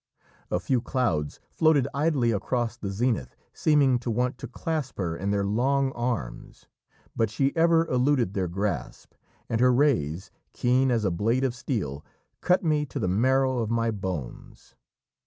A few clouds floated idly across the zenith, seeming to want to clasp her in their long arms, but she ever eluded their grasp, and her rays, keen as a blade of steel, cut me to the marrow of my bones.